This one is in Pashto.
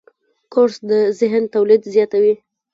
کورس د ذهن تولید زیاتوي.